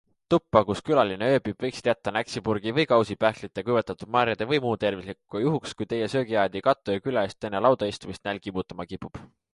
Tuppa, kus külaline ööbib, võiksid jätta näksipurgi või -kausi pähklite, kuivatatud marjade või muu tervislikuga juhuks, kui teie söögiajad ei kattu ja külalist enne laudaistumist nälg kimbutama kipub.